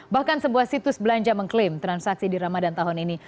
bahkan sebuah situs belanja mengklaim transaksi di ramadan tahun ini